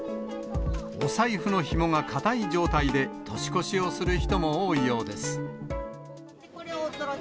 お財布のひもが固い状態で年越しをする人も多いようです。